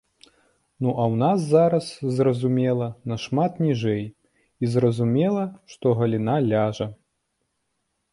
Ну, а ў нас зараз, зразумела, нашмат ніжэй і, зразумела, што галіна ляжа.